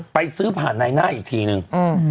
ไปซื้อผ่านในหน้าอีกทีนึง